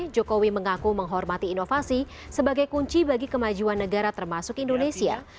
jokowi mengaku menghormati inovasi sebagai kunci bagi kemajuan negara termasuk indonesia